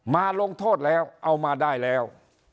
มาลงโทษแล้วเอามาได้แล้ว